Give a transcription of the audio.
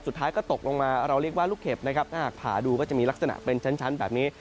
สุดท้ายก็ตกลงมาเราเรียกว่าลูกเข็บนะครับถ้าหากผ่าดูก็จะมีลักษณะเป็นชั้นแบบนี้